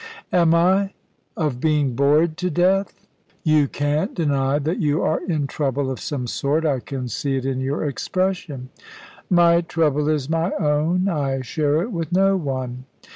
"Am I of being bored to death?" "You can't deny that you are in trouble of some sort. I can see it in your expression." "My trouble is my own. I share it with no one."